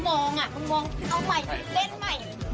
มองอ่ะมึงเอาใหม่และเล่นใหม่